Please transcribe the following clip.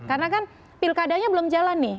karena kan pilkadanya belum jalan nih